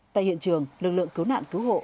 tại hiện trường lực lượng cứu nạn cứu hộ